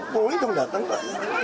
poli dong datang pak